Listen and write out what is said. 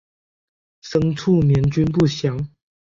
生卒年均不详。